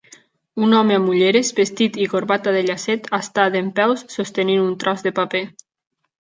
Un home amb ulleres, vestit i corbata de llacet està dempeus sostenint un tros de paper.